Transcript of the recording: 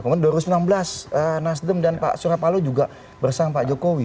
kalau dua ribu enam belas nasdem dan pak surya palu juga bersama pak jokowi